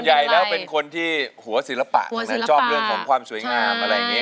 ใหญ่แล้วเป็นคนที่หัวศิลปะชอบเรื่องของความสวยงามอะไรอย่างนี้